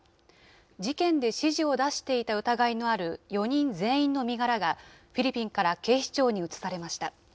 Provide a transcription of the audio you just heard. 事件で指示を出していた疑いのある４人全員の身柄が、フィリピンから警視庁に移されました。